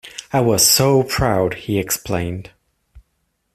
I was so proud, he explained.